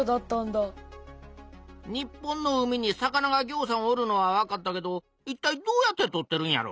日本の海に魚がぎょうさんおるのはわかったけどいったいどうやって取ってるんやろ？